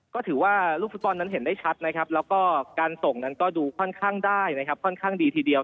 ก็ถือว่าลูกฟุตบอลนั้นเห็นได้ชัดนะครับแล้วก็การส่งนั้นก็ดูค่อนข้างได้นะครับค่อนข้างดีทีเดียว